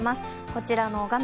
こちらの画面